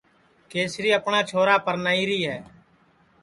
کَسری اپٹؔا چھورا پَرنائیری ہے